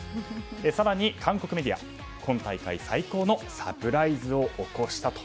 更に、韓国メディア今大会最高のサプライズを起こしたと。